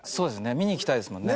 見に行きたいですもんね。